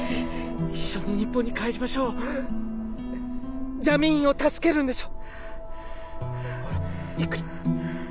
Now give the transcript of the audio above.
一緒に日本に帰りましょうジャミーンを助けるんでしょ？